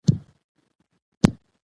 د خوړو پاتې شوني خوندي ځای کې کېږدئ.